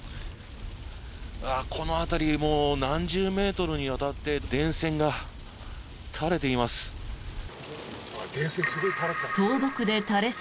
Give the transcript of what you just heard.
この辺りもう何十メートルにわたって電線が垂れています。